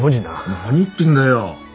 何言ってんだよ